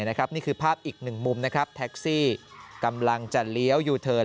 นี่คือภาพอีกหนึ่งมุมนะครับแท็กซี่กำลังจะเลี้ยวยูเทิร์น